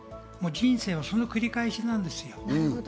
人生はその繰り返しなんですよ。